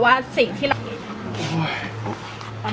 สวัสดีครับ